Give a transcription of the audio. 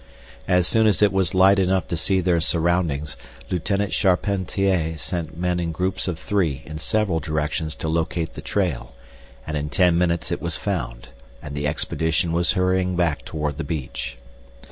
As soon as it was light enough to see their surroundings Lieutenant Charpentier sent men in groups of three in several directions to locate the trail, and in ten minutes it was found and the expedition was hurrying back toward the beach.